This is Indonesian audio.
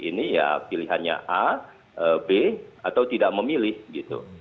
ini ya pilihannya a b atau tidak memilih gitu